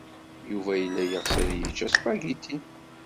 Yuba yella yeɣs ad yečč aspagiti.